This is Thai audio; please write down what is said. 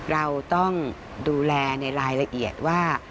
เราต้องดูแลในรายละเอียดว่า